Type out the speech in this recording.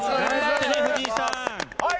藤井さん。